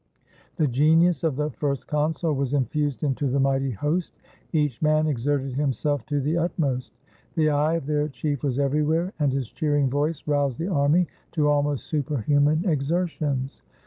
The genius of the First Consul was infused into 119 ITALY the mighty host. Each man exerted himself to the ut most. The eye of their chief was everywhere, and his cheering voice roused the army to almost superhuman exertions.